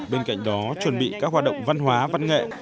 bên cạnh đó chuẩn bị các hoạt động văn hóa văn nghệ